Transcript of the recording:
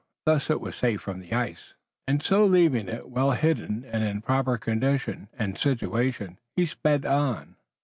Thus it was safe from the ice, and so leaving it well hidden and in proper condition, and situation, he sped on."